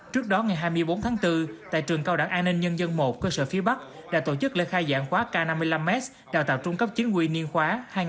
trước đó ngày hai mươi bốn tháng bốn tại trường cao đẳng an ninh nhân dân một cơ sở phía bắc đã tổ chức lễ khai giảng khóa k năm mươi năm s đào tạo trung cấp chính quy niên khóa hai nghìn hai mươi bốn hai nghìn hai mươi sáu